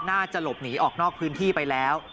น่าจะหลบหนีออกนอกพื้นที่ไปแล้ว